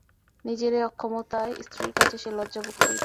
নিজের এই অক্ষমতায় স্ত্রীর কাছে সে লজ্জা বোধ করিতে থাকে।